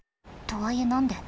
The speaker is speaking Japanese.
とはいえ何で？